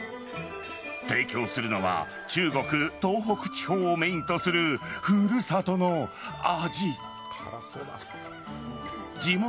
提供するのは中国東北地方をメインとする古里の味。